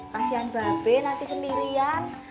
pasian mbak be nanti sendirian